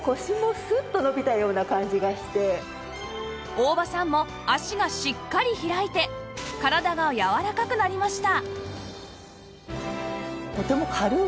大場さんも脚がしっかり開いて体がやわらかくなりました